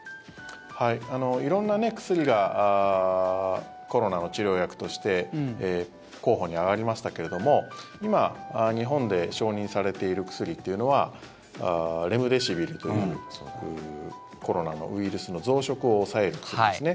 色んな薬がコロナの治療薬として候補に挙がりましたけれども今、日本で承認されている薬っていうのはレムデシビルというコロナのウイルスの増殖を抑える薬ですね。